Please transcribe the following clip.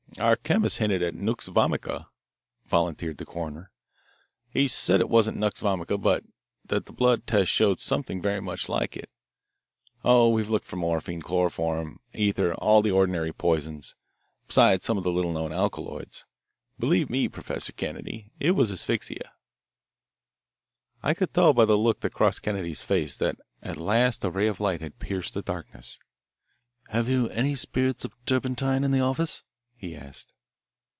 "One chemist hinted at nux vomica," volunteered the coroner. "He said it wasn't nux vomica, but that the blood test showed something very much like it. Oh, we've looked for morphine chloroform, ether, all the ordinary poisons, besides some of the little known alkaloids. Believe me, Professor Kennedy, it was asphyxia." I could tell by the look that crossed Kennedy's face that at last a ray of light had pierced the darkness. "Have you any spirits of turpentine in the office?" he asked.